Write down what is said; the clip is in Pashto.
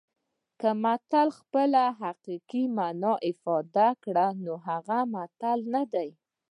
که متل خپله حقیقي مانا افاده کړي نو هغه متل نه دی